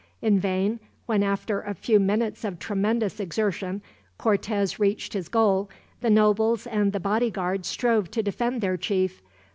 In vain, when after a few minutes of tremendous exertion, Cortez reached his goal, the nobles and the bodyguard strove to defend their chief.